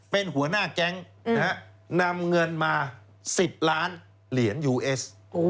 เป็นหัวหน้าแก๊งนำเงินมา๑๐ล้านเหรียญยูเอส